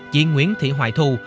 chị nguyễn thị hoài thu